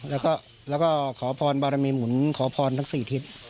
แล้วก็ขอพรบารมีหมุนขอพรทั้ง๔ทิศ